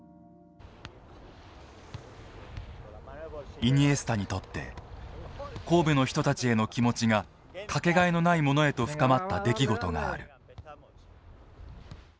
イニエスタにとって神戸の人たちへの気持ちが掛けがえのないものへと深まった出来事がある。